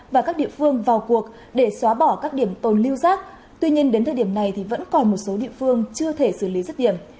và các địa phương vào cuộc để xóa bỏ các điểm tồn lưu rác tuy nhiên đến thời điểm này thì vẫn còn một số địa phương chưa thể xử lý rất điểm